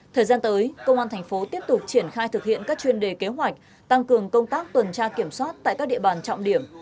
thời gian tới công an thành phố tiếp tục triển khai thực hiện các chuyên đề kế hoạch tăng cường công tác tuần tra kiểm soát tại các địa bàn trọng điểm